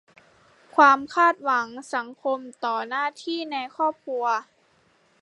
- ความคาดหวังสังคมต่อหน้าที่ในครอบครัว